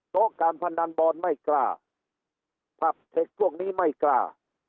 เพราะการพนันบอลไม่กล้าผับเทคพวกนี้ไม่กล้า